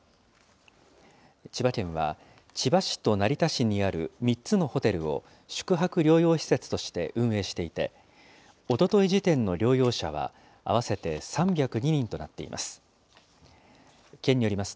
千葉県は、千葉市と成田市にある３つのホテルを、宿泊療養施設として運営していて、おととい時点の療養者は、合わせて３０２人となっています。